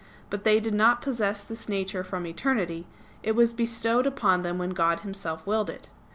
But they did not possess this nature from eternity; it was bestowed upon them when God Himself willed it.